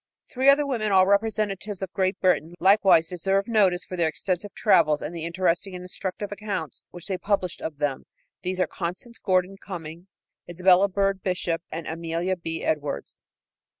Three other women, all representatives of Great Britain, likewise deserve notice for their extensive travels and the interesting and instructive accounts which they published of them. These are Constance Gordon Cumming, Isabella Bird Bishop and Amelia B. Edwards.